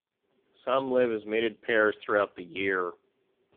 Some live as mated pairs throughout the year.